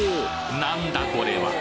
なんだこれは！？